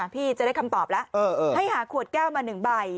พี่จะได้คำตอบแล้วให้หาขวดแก้วมา๑ใบ